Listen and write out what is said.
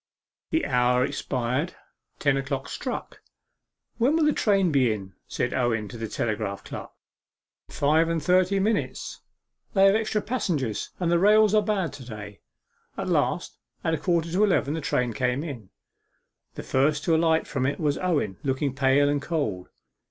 The hour expired. Ten o'clock struck. 'When will the train be in?' said Edward to the telegraph clerk. 'In five and thirty minutes. She's now at L . They have extra passengers, and the rails are bad to day.' At last, at a quarter to eleven, the train came in. The first to alight from it was Owen, looking pale and cold.